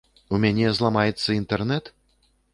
У мяне зламаецца інтэрнэт?